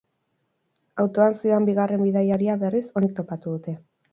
Autoan zihoan bigarren bidaiaria, berriz, onik topatu dute.